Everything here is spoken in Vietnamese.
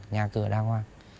nhà cửa đa hoa